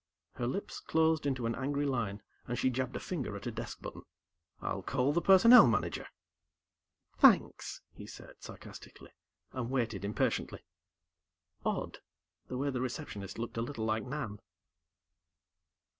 Her lips closed into an angry line, and she jabbed a finger at a desk button. "I'll call the Personnel Manager." "Thanks," he said sarcastically, and waited impatiently. Odd, the way the Receptionist looked a little like Nan.